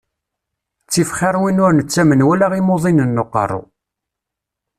Ttif xiṛ win ur nettamen wala imuḍinen n uqeṛṛu.